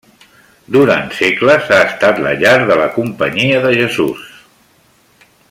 Durant segles ha estat la llar de la Companyia de Jesús.